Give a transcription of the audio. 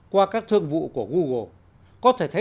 qua các thương vụ của google